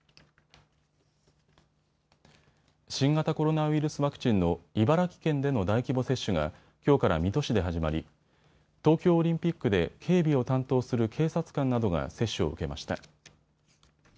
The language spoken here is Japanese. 新型コロナウイルスワクチンの茨城県での大規模接種がきょうから水戸市で始まり東京オリンピックで警備を担当する警察官などが接種を受けました。